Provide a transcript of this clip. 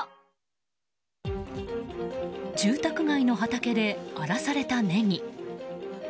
住宅街の畑で荒らされたネギ。